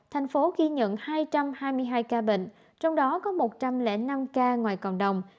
thành phố ghi nhận hai trăm hai mươi hai ca bệnh trong đó có một trăm linh năm ca ngoài cộng đồng